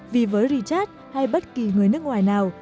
vì với rechat hay bất kỳ người nước ngoài nào